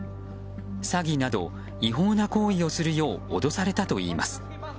詐欺など、違法な行為をするよう脅されたといいます。